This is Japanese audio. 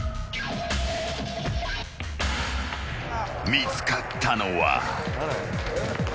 見つかったのは。